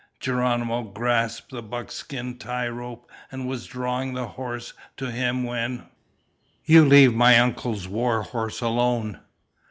Geronimo grasped the buckskin tie rope, and was drawing the horse to him when "You leave my uncle's war horse alone!"